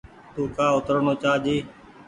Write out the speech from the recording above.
تو ڪآ اوترڻو چآ جي۔